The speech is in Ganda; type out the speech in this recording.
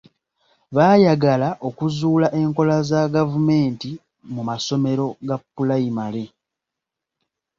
Baayagala okuzuula enkola za gavumenti mu masomero ga pulayimale.